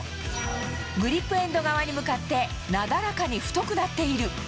グリップエンド側に向かって、なだらかに太くなっている。